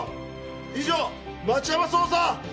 以上町山捜査！